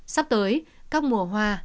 sắp tới các mùa hoa